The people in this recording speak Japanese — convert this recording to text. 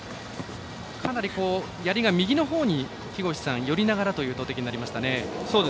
かなり、やりが右のほうに寄りながらという投てきになりましたね。